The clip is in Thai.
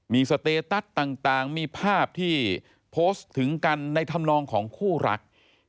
มีสเตตัสต่างมีภาพที่โพสต์ถึงกันในธรรมนองของคู่รัก